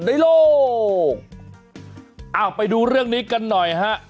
ในโลกอ้าวไปดูเรื่องนี้กันหน่อยฮะ